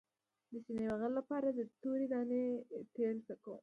د سینې بغل لپاره د تورې دانې تېل څه کړم؟